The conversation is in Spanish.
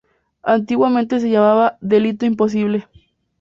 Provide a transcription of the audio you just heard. Antiguamente se llamaba ""delito imposible"".